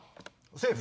セーフ。